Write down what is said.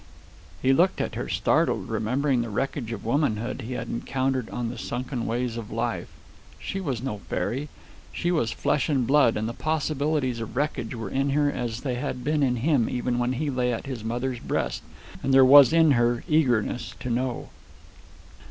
He looked at her, startled, remembering the wreckage of womanhood he had encountered on the sunken ways of life. She was no fairy. She was flesh and blood, and the possibilities of wreckage were in her as they had been in him even when he lay at his mother's breast. And there was in her eagerness to know.